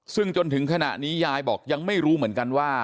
ซึ่งจนถึงขณะนี้ยายบอกยังไม่รู้เหมือนกันว่า